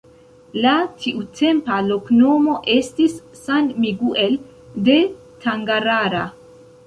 La tiutempa loknomo estis ’’San Miguel de Tangarara’’.